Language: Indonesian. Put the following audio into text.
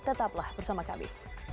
tetaplah bersama kami